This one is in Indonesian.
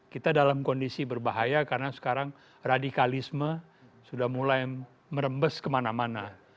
kita dalam kondisi berbahaya karena sekarang radikalisme sudah mulai merembes kemana mana